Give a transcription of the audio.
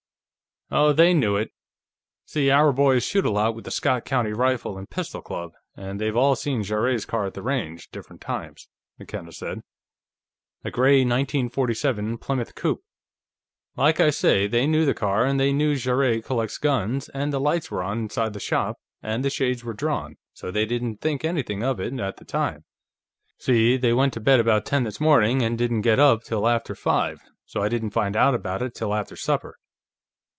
"Oh, they knew it; see, our boys shoot a lot with the Scott County Rifle & Pistol Club, and they've all seen Jarrett's car at the range, different times," McKenna said. "A gray 1947 Plymouth coupé. Like I say, they knew the car, and they knew Jarrett collects guns, and the lights were on inside the shop and the shades were drawn, so they didn't think anything of it, at the time. See, they went to bed about ten this morning, and didn't get up till after five, so I didn't find out about it till after supper."